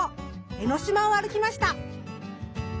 江の島を歩きました。